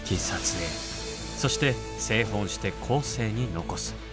そして製本して後世に残す。